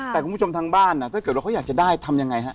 แต่คุณผู้ชมทางบ้านถ้าเกิดว่าเขาอยากจะได้ทำยังไงฮะ